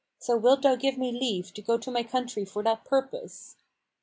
So wilt thou give me leave to go to my country for that purpose?"